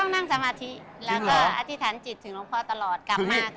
ต้องนั่งสมาธิแล้วก็อธิษฐานจิตถึงหลวงพ่อตลอด